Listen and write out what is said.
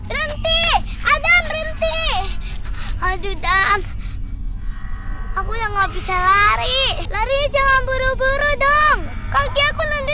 berhenti ada berhenti aduh dam aku nggak bisa lari lari jangan buru buru dong kaki aku nanti